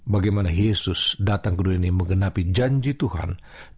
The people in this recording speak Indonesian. bagaimana yesus datang ke dunia ini menggenapi janji tuhan